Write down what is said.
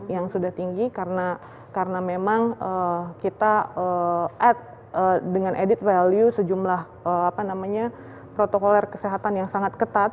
yang sudah tinggi karena memang kita ad dengan added value sejumlah protokol kesehatan yang sangat ketat